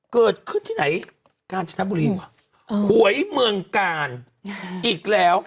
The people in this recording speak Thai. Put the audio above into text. เกิดขึ้นที่ไหนกาญจนบุรีว่ะหวยเมืองกาลอีกแล้ว